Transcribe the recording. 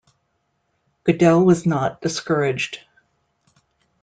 Goodell was not discouraged.